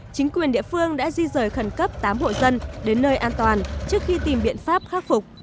chính quyền địa phương đã di rời khẩn cấp tám hộ dân đến nơi an toàn trước khi tìm biện pháp khắc phục